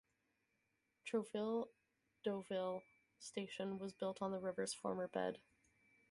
Trouville-Deauville station was built on the river's former bed.